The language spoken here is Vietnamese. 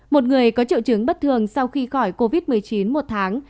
một người có triệu chứng bất thường sau khi khỏi covid một mươi chín một tháng